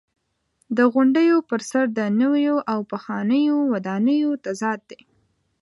د غونډیو پر سر د نویو او پخوانیو ودانیو تضاد دی.